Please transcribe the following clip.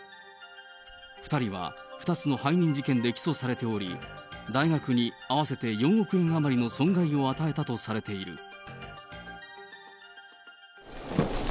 ２人は２つの背任事件で起訴されており、大学に合わせて４億円余りの損害を与えたとされている。